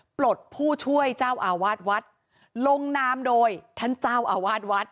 ปลดผู้ช่วยเจ้าอาวาสวัดลงนามโดยท่านเจ้าอาวาสวัด